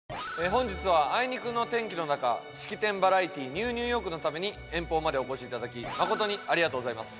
本日はあいにくの天気の中式典バラエティー『ＮＥＷニューヨーク』のために遠方までお越しいただき誠にありがとうございます。